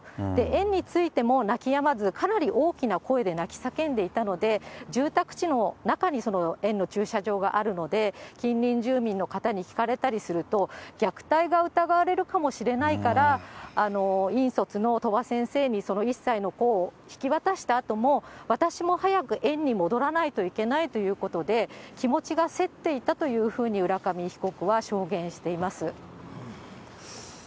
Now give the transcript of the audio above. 園についても泣きやまず、かなり大きな声で泣きさけんでいたので、住宅地の中に園の駐車場があるので、近隣住民の方に聞かれたりすると、虐待が疑われるかもしれないから、引率の鳥羽先生にその１歳の子を引き渡したあとも、私も早く園に戻らないといけないということで、気持ちがせっていたというふうに浦上被告は証言しています。